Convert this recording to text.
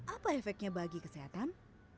apa efeknya bagi kesehatan